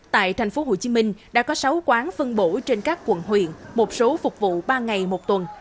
tại tp hcm đã có sáu quán phân bổ trên các quận huyện một số phục vụ ba ngày một tuần